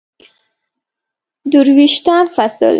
درویشتم فصل